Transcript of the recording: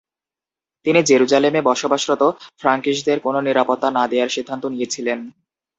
তিনি জেরুজালেমে বসবাসরত ফ্রাঙ্কিশদের কোনো নিরাপত্তা না দেয়ার সিদ্ধান্ত নিয়েছিলেন।